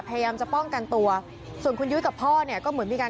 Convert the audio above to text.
พยายามจะป้องกันตัวส่วนคุณยุ้ยกับพ่อเนี่ยก็เหมือนมีการ